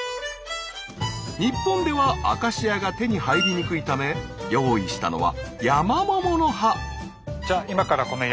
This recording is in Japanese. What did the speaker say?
日本ではアカシアが手に入りにくいため用意したのはヤマモモの葉。